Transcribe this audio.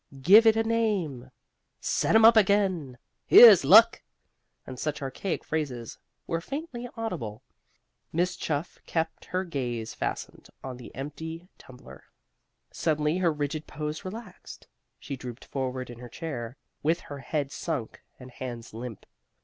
"Give it a name," "Set 'em up again," "Here's luck," and such archaic phrases were faintly audible. Miss Chuff kept her gaze fastened on the empty tumbler. Suddenly her rigid pose relaxed. She drooped forward in her chair, with her head sunk and hands limp.